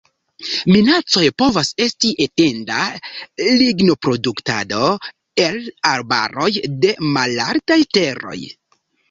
Minacoj povas esti etenda lignoproduktado el arbaroj de malaltaj teroj.